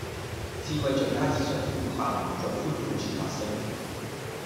智慧在街市上呼喊，在寬闊處發聲